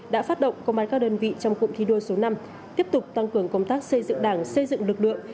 đã phát động công an các đơn vị trong cụm thi đua số năm tiếp tục tăng cường công tác xây dựng đảng xây dựng lực lượng